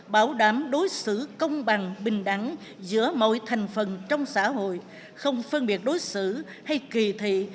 bảo đảm đối xử công bằng bình đẳng giữa mọi thành phần trong xã hội không phân biệt đối xử hay kỳ thị